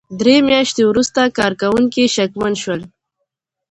درې مياشتې وروسته کارکوونکي شکمن شول.